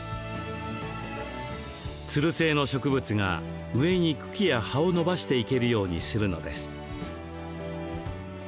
つる性の植物が、上に茎や葉を伸ばしていけるようにするのです。